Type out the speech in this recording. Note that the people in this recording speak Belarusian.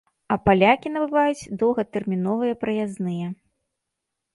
А палякі набываюць доўгатэрміновыя праязныя.